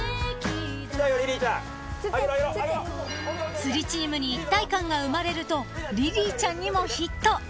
［釣りチームに一体感が生まれるとリリーちゃんにもヒット］